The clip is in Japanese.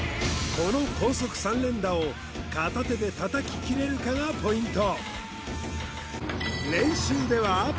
この高速３連打を片手で叩ききれるかがポイント